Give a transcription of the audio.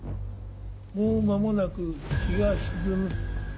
もう間もなく日が沈む。